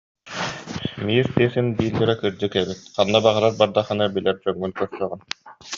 «Мир тесен» дииллэрэ кырдьык эбит, ханна баҕарар бардаххына билэр дьоҥҥун көрсөҕүн